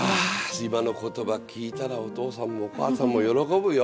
今の言葉聞いたらお父さんもお母さんも喜ぶよ。